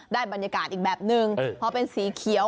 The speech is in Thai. บรรยากาศอีกแบบนึงพอเป็นสีเขียว